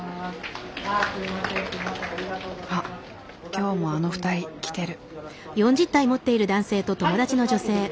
あっ今日もあの２人来てる。